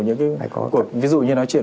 những cái cuộc ví dụ như nói chuyện